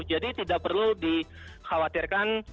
jadi tidak perlu dikhawatirkan